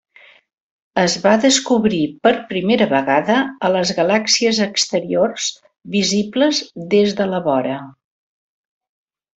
Es va descobrir per primera vegada a les galàxies exteriors visibles des de la vora.